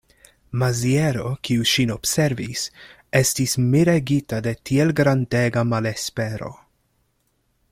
Maziero, kiu ŝin observis, estis miregita de tiel grandega malespero.